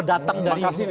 dia datang dari harus bawa